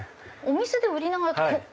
お店で売りながらって